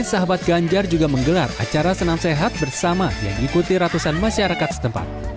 sahabat ganjar juga menggelar acara senam sehat bersama yang diikuti ratusan masyarakat setempat